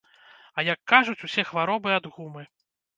А як кажуць, усе хваробы ад гумы.